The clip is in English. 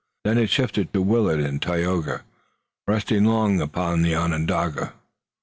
Then it shifted to Willet and Tayoga, resting long upon the Onondaga.